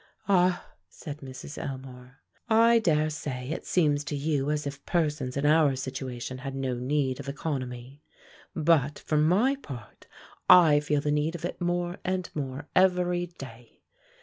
"Ah," said Mrs. Elmore, "I dare say it seems to you as if persons in our situation had no need of economy; but, for my part, I feel the need of it more and more every day."